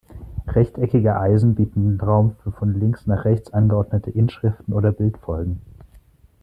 Rechteckige Eisen bieten Raum für von links nach rechts angeordnete Inschriften oder Bildfolgen.